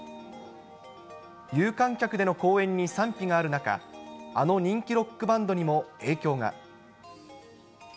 有観客での公演に賛否がある中、あの人気ロックバンドにも影響が。